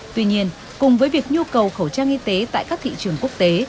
tuy nhiên cùng với việc nhu cầu khẩu trang y tế tại các thị trường quốc tế